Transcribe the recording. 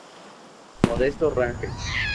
Modesto Rangel.